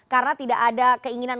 karena tidak ada keinginan